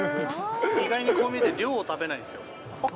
意外にこう見えて量食べないんですよ。